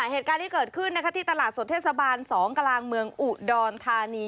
เหตุการณ์ที่เกิดขึ้นที่ตลาดสดเทศบาล๒กลางเมืองอุดรธานี